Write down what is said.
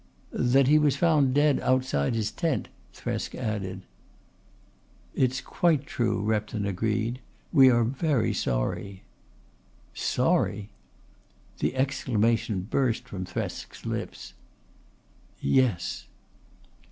"That he was found dead outside his tent," Thresk added. "It's quite true," Repton agreed. "We are very sorry." "Sorry!" The exclamation burst from Thresk's lips. "Yes."